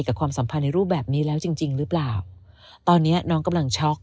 ความสัมพันธ์ในรูปแบบนี้แล้วจริงจริงหรือเปล่าตอนเนี้ยน้องกำลังช็อก